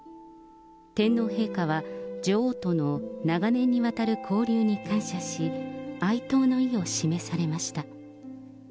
天皇陛下は、女王との長年にわたる交流に感謝し、哀悼の意を示されました。